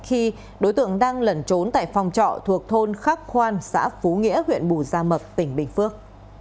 khi đối tượng đang lẩn trốn tại phòng trọ thuộc thôn khắc khoan xã phú nghĩa huyện bù gia mập tỉnh bình phước